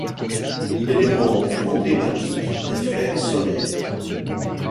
Il est le membre emblématique des frères Soler.